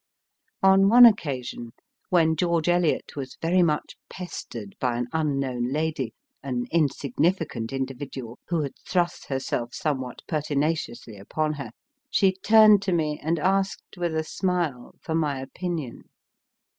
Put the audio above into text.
On one occasion, when George Eliot was very much pestered by an unknown lady, an insignificant individual, who had thrust herself somewhat pertinaciously upon her, she turned to me and asked, with a smile, for my opinion.